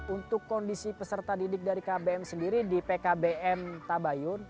untuk kondisi peserta didik dari kbm sendiri di pkbm tabayun